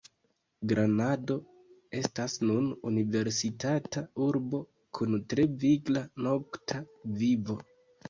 Granado estas nun universitata urbo, kun tre vigla nokta vivo.